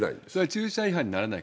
駐車違反にならない？